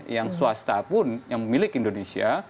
yang swasta pun yang milik indonesia